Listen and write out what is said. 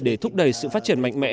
để thúc đẩy sự phát triển mạnh mẽ